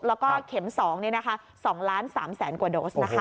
แล้วก็เข็มสอง๒๓๐๐๐๐๐กว่าโดส